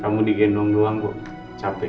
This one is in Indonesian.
kamu digendong doang kok capek